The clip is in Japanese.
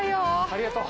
ありがとう。